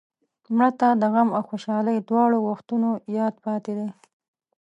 مړه ته د غم او خوشحالۍ دواړو وختونو یاد پاتې دی